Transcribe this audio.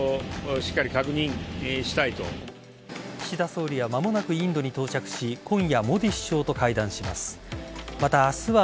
岸田総理は間もなくインドに到着し今夜、モディ首相と会談します。